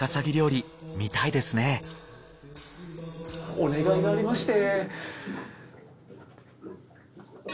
お願いがありまして。